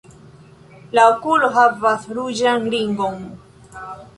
La okulo havas ruĝan ringon.